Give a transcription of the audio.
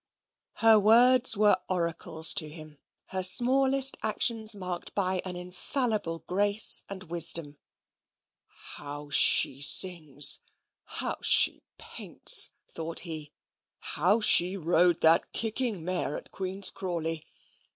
Her words were oracles to him, her smallest actions marked by an infallible grace and wisdom. "How she sings, how she paints," thought he. "How she rode that kicking mare at Queen's Crawley!"